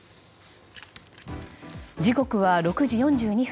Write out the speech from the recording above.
時刻は６時４２分。